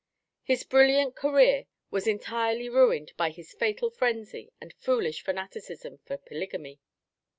His brilliant career was entirely ruined by his fatal frenzy and foolish fanaticism for polygamy.